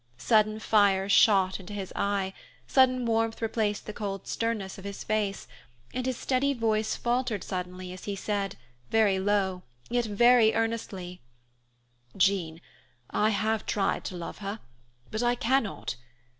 Sudden fire shot into his eye, sudden warmth replaced the cold sternness of his face, and his steady voice faltered suddenly, as he said, very low, yet very earnestly, "Jean, I have tried to love her, but I cannot.